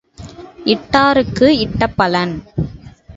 இட்டாருக்கு இட்ட பலன்.